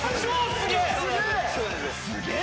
すげえ。